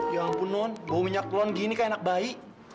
ya ampun non bawa minyak lon gini kayak anak bayi